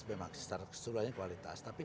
memang secara keseluruhannya kualitas